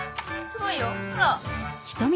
すごいよほら！